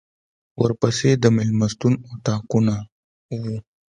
ورپسې د مېلمستون اطاقونه و.